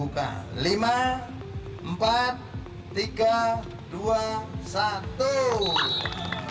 katakan untuk dibuka